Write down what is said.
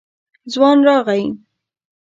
ځوان راغی.